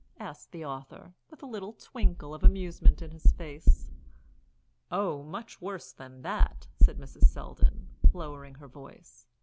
asked the author, with a little twinkle of amusement in his face. "Oh, much worse than that," said Mrs. Selldon, lowering her voice.